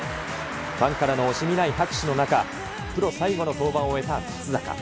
ファンからの惜しみない拍手の中、プロ最後の登板を終えた松坂。